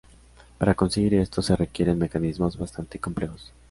Para conseguir esto se requieren mecanismos bastante complejos.